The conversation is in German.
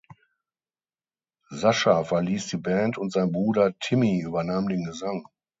Sascha verließ die Band und sein Bruder Timmy übernahm den Gesang.